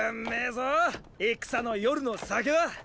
ぞー戦の夜の酒は。